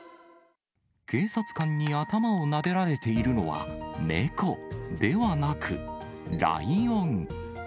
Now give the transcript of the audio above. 警察官に頭をなでられているのは、猫ではなく、ライオン。